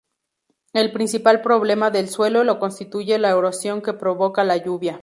El principal problema del suelo lo constituye la erosión que provoca la lluvia.